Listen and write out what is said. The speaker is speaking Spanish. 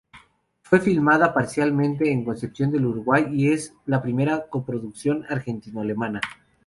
Fue filmada parcialmente en Concepción del Uruguay y es la primera coproducción argentino-alemana.